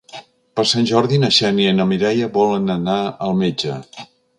Per Sant Jordi na Xènia i na Mireia volen anar al metge.